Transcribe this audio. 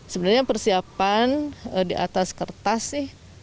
sebenarnya persiapan di atas kertas sih